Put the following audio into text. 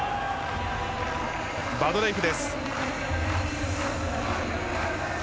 バドレイフです。